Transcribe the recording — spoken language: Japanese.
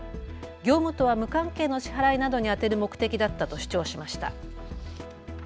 業務とは無関係の支払いなどに充てる目的だったと主張しました。